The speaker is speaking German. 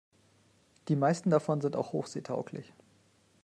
Die meisten davon sind auch hochseetauglich.